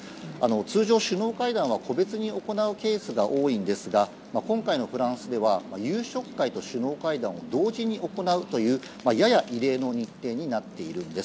通常、首脳会談は個別に行うケースが多いんですが今回のフランスでは夕食会と首脳会談を同時に行うというやや異例の日程になっているんです。